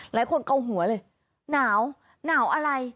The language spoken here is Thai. เกาหัวเลยหนาวหนาวอะไร